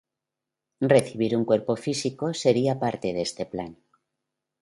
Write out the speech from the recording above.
Recibir un cuerpo físico sería parte de este plan.